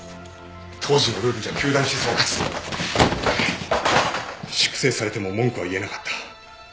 当時のルールじゃ糾弾して総括粛清されても文句は言えなかった。